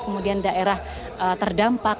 kemudian daerah terdampak